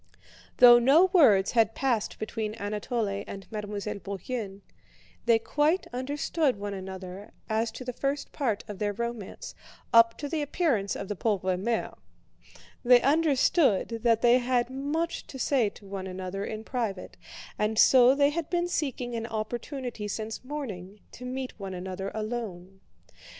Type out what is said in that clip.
Though no words had passed between Anatole and Mademoiselle Bourienne, they quite understood one another as to the first part of their romance, up to the appearance of the pauvre mère; they understood that they had much to say to one another in private and so they had been seeking an opportunity since morning to meet one another alone.